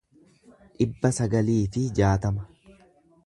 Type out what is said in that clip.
dhibba sagalii fi jaatama